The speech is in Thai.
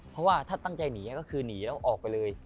เพราะว่าถ้าตั้งใจหนีก็คือหนีแล้วออกไปเลย